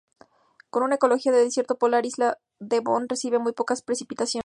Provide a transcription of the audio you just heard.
Con una ecología de desierto polar, isla Devon recibe muy pocas precipitaciones.